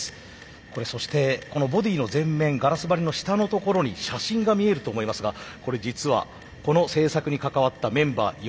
そしてこのボディーの前面ガラス張りの下の所に写真が見えると思いますがこれ実はこの製作に関わったメンバー４人。